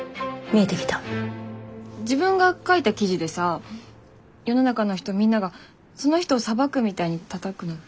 自分が書いた記事でさ世の中の人みんながその人を裁くみたいにたたくのって。